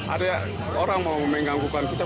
ada orang yang mau mengganggu kita